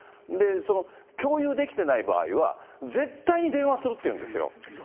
その共有できてない場合は、絶対に電話するって言うんですよ。